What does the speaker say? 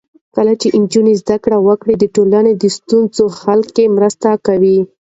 کله چې نجونې زده کړه وکړي، د ټولنې د ستونزو حل کې مرسته کوي.